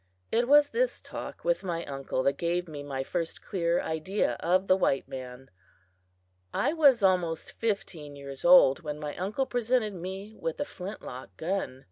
It was this talk with my uncle that gave me my first clear idea of the white man. I was almost fifteen years old when my uncle presented me with a flint lock gun.